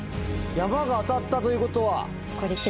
ヤマが当たったということは。